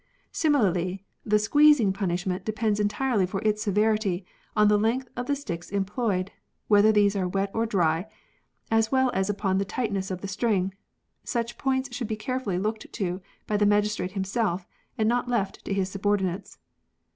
Similarly, the 'squeezing' punishment depends entirely for its severity on the length of the sticks employed, whether these are wet or dry, as well as upon the tightness of the string. Such points should be carefully looked to by the magistrate himself, and not left to his subordinates.